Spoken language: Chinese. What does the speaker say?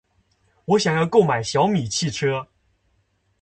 我想要购买小米汽车。